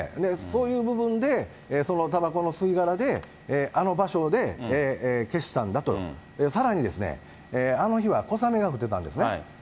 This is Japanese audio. そういう部分で、そのたばこの吸い殻で、あの場所で消したんだと、さらにですね、あの日は小雨が降ってたんですね。